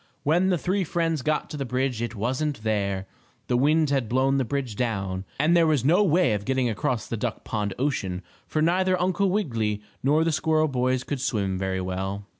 When the three friends got to the bridge it wasn't there. The wind had blown the bridge down, and there was no way of getting across the duck pond ocean, for neither Uncle Wiggily nor the squirrel boys could swim very well.